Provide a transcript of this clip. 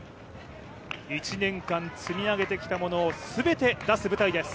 １年間積み上げてきたものを全て出す舞台です。